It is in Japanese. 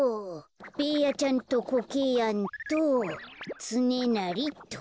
ベーヤちゃんとコケヤンとつねなりっと。